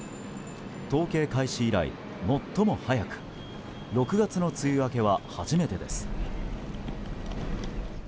統計開始以来最も早く６月の梅雨明けは初めてです。